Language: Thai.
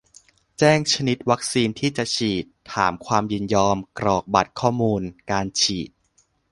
แจ้งชนิดวัคซีนที่จะฉีด ถามความยินยอม กรอกบัตรข้อมูลการฉีด